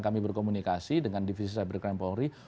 kami berkomunikasi dengan divisi cybercrime polri